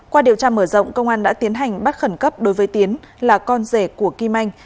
qua điều tra mở rộng công an đã tiến hành bắt khẩn cấp đối với tiến là con rể của kim anh